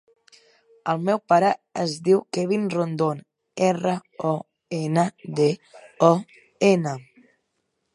El meu pare es diu Kevin Rondon: erra, o, ena, de, o, ena.